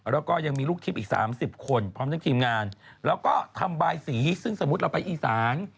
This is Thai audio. แล้วก็ยังมีลูกทิพย์อีก๓๐คนพร้อมทั้งทีมงานแล้วก็ทำบายสีซึ่งสมมุติเราไปอีสาน